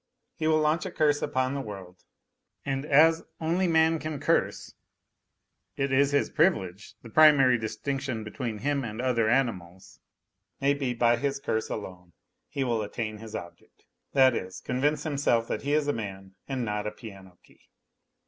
He will launch a curse upon the world, and as only man can curse (it is his privilege, the primary distinction between him and other animals), may be by his curse alone he will attain his object that is, convince himself that he is a man and not a piano key